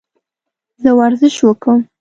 زه ورزش وکم؟